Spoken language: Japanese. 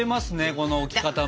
この置き方も。